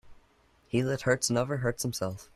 He that hurts another, hurts himself.